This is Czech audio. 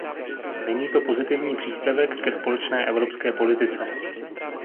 Není to pozitivní příspěvek ke společné evropské politice.